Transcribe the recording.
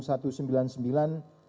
dan sembilan sebagai mana telah dilakukan